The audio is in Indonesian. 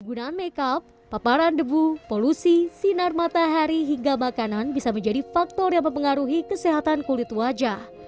penggunaan makeup paparan debu polusi sinar matahari hingga makanan bisa menjadi faktor yang mempengaruhi kesehatan kulit wajah